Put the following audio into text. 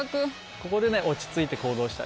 ここで落ち着いて行動したい。